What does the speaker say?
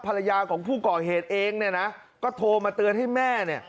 ภรรยาของผู้ก่อเหตุเองเนี่ยนะก็โทรมาเตือนให้แม่เนี่ย